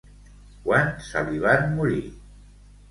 Quan se li van morir?